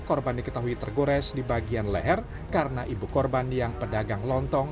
korban diketahui tergores di bagian leher karena ibu korban yang pedagang lontong